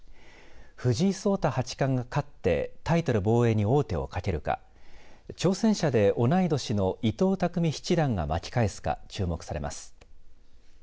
藤井聡太八冠が勝ってタイトル防衛に王手をかけるか挑戦者で同い年の伊藤匠七段が巻き返すか注目されます。